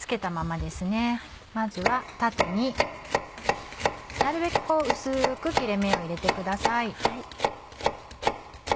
まずは縦になるべくこう薄く切れ目を入れてください。